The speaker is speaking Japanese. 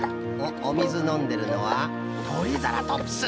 おみずのんでるのはトリザラトプス。